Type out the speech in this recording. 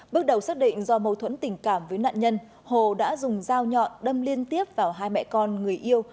bước đầu xác định do mâu thuẫn tình cảm với nạn nhân hồ đã dùng dao nhọn đâm liên tiếp vào hai mẹ con người yêu